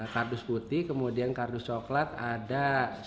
kardus putih kemudian kardus coklat ada seribu tujuh ratus enam puluh satu